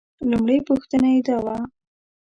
لومړۍ پوښتنه یې دا وه.